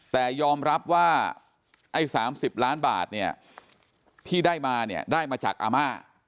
แต่ยอมรับว่าไอ้๓๐ล้านบาทที่ได้มาได้มาจากอาม่า